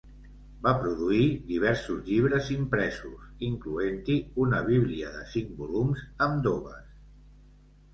Van produir diversos llibres impresos, incloent-hi una bíblia de cinc volums amb Doves.